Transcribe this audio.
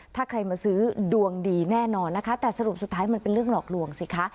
ถ้าใครมาซื้อดวงดีแน่นอนนะคะแต่สรุปสุดท้ายมันเป็นเรื่องหลอกลวงสิคะ